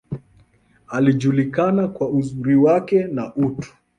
Alijulikana kwa uzuri wake, na utu.